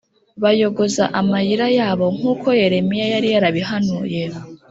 bayogoza amayira yabo, nk’uko Yeremiya yari yarabihanuye.